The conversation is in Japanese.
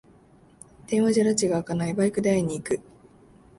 電話じゃらちがあかない、バイクで会いに行く